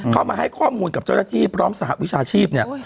เข้ามาให้ข้อมูลกับเจ้าหน้าที่พร้อมสหวิชาชีพเนี่ย